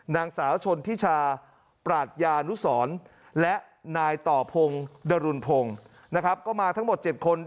นางสาวชนทิชาปราชยานุสรและนายต่อพงศ์ดรุนพงศ์นะครับก็มาทั้งหมด๗คน